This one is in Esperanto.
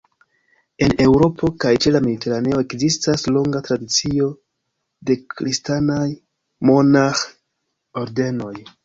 En Eŭropo kaj ĉe la Mediteraneo ekzistas longa tradicio de kristanaj monaĥ-ordenoj.